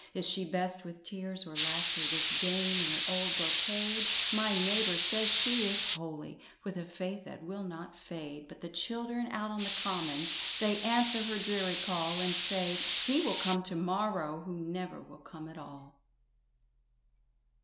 Is she best with tears or laughter, This dame in her old brocade? My neighbour says she is holy, With a faith that will not fade. But the children out on the common They answer her dreary call, And say: "He will come to morrow!" Who never will come at all.